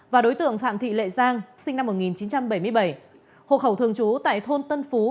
và đối tượng phạm thị lệ giang sinh năm một nghìn chín trăm bảy mươi bảy hộ khẩu thường trú tại thôn tân phú